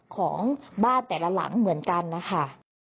ของบ้านแต่ละหลังเหมือนกันนะคะ